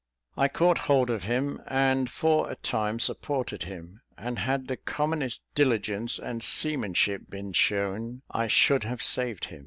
I caught hold of him, and for a time supported him; and, had the commonest diligence and seamanship been shewn, I should have saved him.